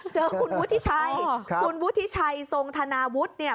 เจอคุณวุฒิชัยคุณวุฒิชัยทรงธนาวุฒิเนี่ย